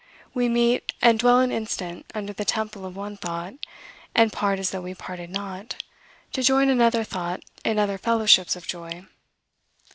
We meet, and dwell an instant under the temple of one thought, and part as though we parted not, to join another thought in other fellowships of joy.